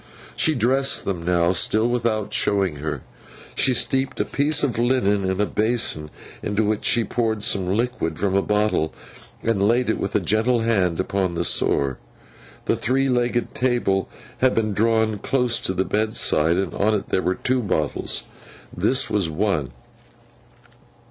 She dressed them now, still without showing her. She steeped a piece of linen in a basin, into which she poured some liquid from a bottle, and laid it with a gentle hand upon the sore. The three legged table had been drawn close to the bedside, and on it there were two bottles. This was one.